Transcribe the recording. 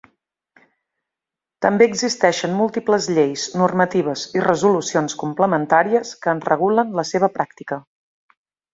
També existeixen múltiples lleis, normatives i resolucions complementàries que en regulen la seva pràctica.